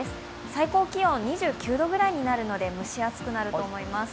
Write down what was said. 最高気温２９度ぐらいになるので蒸し暑くなると思います。